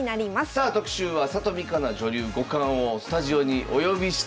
さあ特集は里見香奈女流五冠をスタジオにお呼びして。